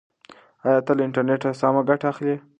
ایا ته له انټرنیټه سمه ګټه اخلې؟